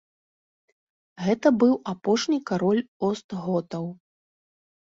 Гэта быў апошні кароль остготаў.